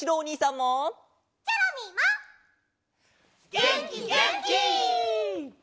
げんきげんき！